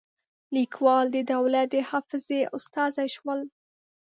لیکوال د دولت د حافظې استازي شول.